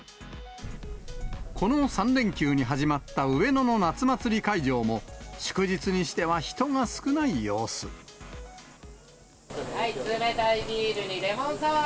この３連休に始まった上野の夏祭り会場も、祝日にしては人が少な冷たいビールにレモンサワー。